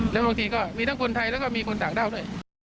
แล้วบางทีก็มีทั้งคนไทยแล้วก็มีคนต่างด้าวด้วย